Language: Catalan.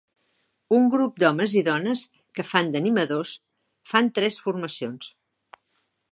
Un grup d'homes i dones que fan d'animadors fan tres formacions.